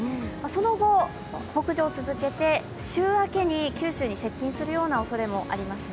その後、北上を続けて週明けに九州に接近するようなおそれもあります。